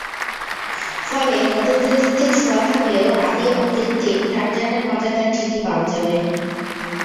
ফলে নতুন প্রযুক্তির ছোঁয়া থাকলেও আদি অকৃত্রিম টারজানের মজাটা ঠিকই পাওয়া যাবে।